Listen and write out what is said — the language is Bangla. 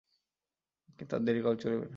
কিন্তু আর দেরি করিলে চলিবে না।